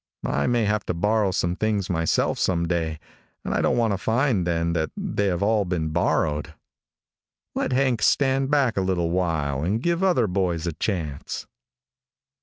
I may have to borrow some things myself some day and I don't want to find, then, that they have all been borrowed. Let Hank stand back a little while and give the other boys a chance.